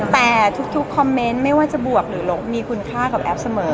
แต่ทุกคอมเมนต์ไม่ว่าจะบวกหรือมีคุณค่ากับแอฟเสมอ